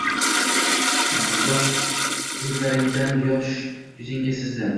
Gox kuzlaringdan yosh yuzingga sizdi